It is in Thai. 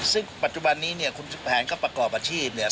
ซึ่งปัจจุบันนี้เนี่ยคุณแผนก็ประกอบอาชีพเนี่ย